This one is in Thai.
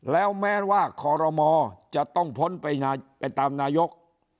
แล้วแม้ว่าคอรมอจะต้องพ้นไปตามนายก